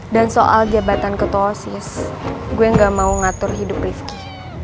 dan soal jabatan ketuasis gue gak mau ngatur hidup rifki